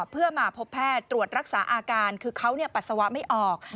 เพื่อมาพบแพทย์ตรวจรักษาอาการคือเขาปัสสาวะไม่ออก